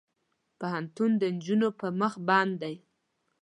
پوهنتون د نجونو پر مخ بند دی.